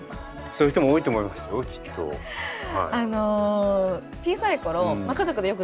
そういう人も多いと思いますよきっと。